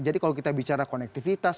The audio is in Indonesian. jadi kalau kita bicara konektivitas